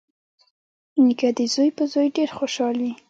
نیکه د زوی په زوی ډېر خوشحال وي.